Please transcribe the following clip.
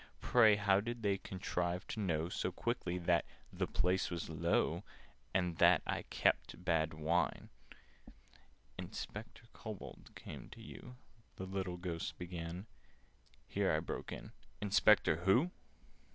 Pray, how did they contrive to know So quickly that 'the place was low,' And that I 'kept bad wine'?" "Inspector Kobold came to you—" The little Ghost began. Here I broke in—"Inspector who?